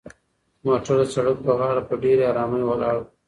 موټر د سړک په غاړه په ډېرې ارامۍ ولاړ و.